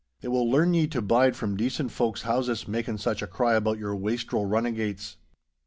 It will learn ye to bide from decent folk's houses, making such a cry about your wastrel runnagates.